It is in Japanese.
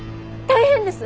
大変です。